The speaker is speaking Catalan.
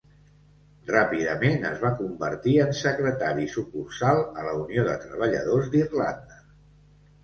Ràpidament es va convertir en secretari sucursal a la Unió de Treballadors d'Irlanda.